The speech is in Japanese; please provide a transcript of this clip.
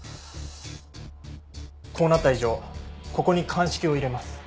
こうなった以上ここに鑑識を入れます。